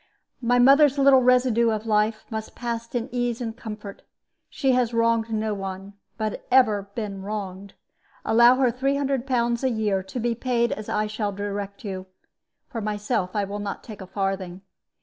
My mother's little residue of life must pass in ease and comfort. She has wronged no one, but ever been wronged. Allow her 300 pounds a year, to be paid as I shall direct you. For myself I will not take a farthing.